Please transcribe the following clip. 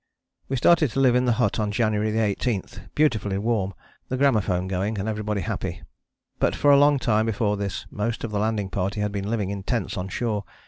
We started to live in the hut on January 18, beautifully warm, the gramophone going, and everybody happy. But for a long time before this most of the landing party had been living in tents on shore.